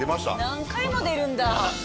何回も出るんだ。